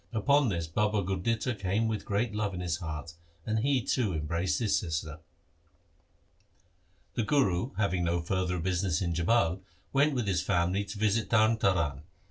Upon this Baba Gurditta came with great love in his heart, and he, too, embraced his sister. The Guru having no further business in Jhabal went with his family to visit Tarn Taran.